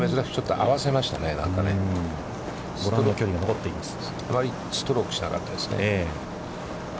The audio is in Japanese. あまりストロークしなかったですね。